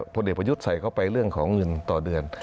เด็กประยุทธ์ใส่เข้าไปเรื่องของเงินต่อเดือน